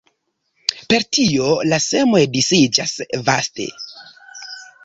Per tio la semoj disiĝas vaste.